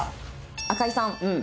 赤井さん。